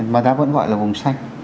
mà ta vẫn gọi là vùng xanh